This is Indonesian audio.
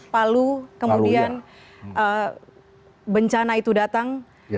palu kemudian bencana itu datang